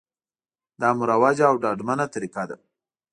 دا مروجه او ډاډمنه طریقه ده